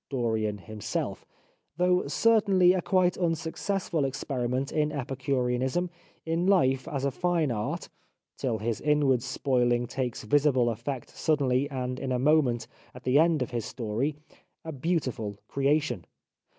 ... Dorian himself, though certainly a quite unsuc cessful experiment in Epicureanism, in life as a fine art is (till his inward spoiling takes visible effect suddenly, and in a moment, at the end of his story) a beautiful creation.